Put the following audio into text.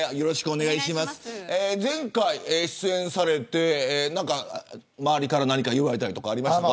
前回、出演されて周りから何か言われたりありました。